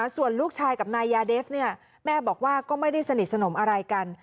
ส่วนลูกชายกับนายยาเดฟแม่บอกว่าก็ไม่ได้สนิทสนมอะไรกัน